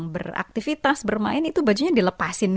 beraktivitas bermain itu bajunya dilepasin